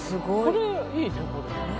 これいいねこれ。